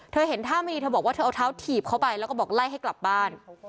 เห็นท่าไม่ดีเธอบอกว่าเธอเอาเท้าถีบเข้าไปแล้วก็บอกไล่ให้กลับบ้าน